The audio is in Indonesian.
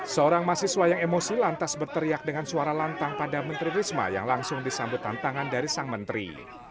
seorang mahasiswa yang emosi lantas berteriak dengan suara lantang pada menteri risma yang langsung disambut tantangan dari sang menteri